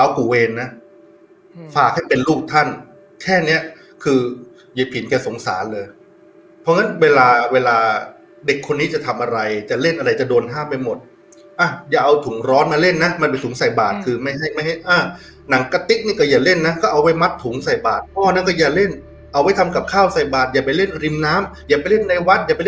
กูเวรนะฝากให้เป็นลูกท่านแค่เนี้ยคือยายผินแกสงสารเลยเพราะงั้นเวลาเวลาเด็กคนนี้จะทำอะไรจะเล่นอะไรจะโดนห้ามไปหมดอ่ะอย่าเอาถุงร้อนมาเล่นนะมันเป็นถุงใส่บาทคือไม่ให้ไม่ให้อ้างหนังกะติ๊กนี่ก็อย่าเล่นนะก็เอาไว้มัดถุงใส่บาทพ่อนั้นก็อย่าเล่นเอาไว้ทำกับข้าวใส่บาทอย่าไปเล่นริมน้ำอย่าไปเล่นในวัดอย่าไปเล่น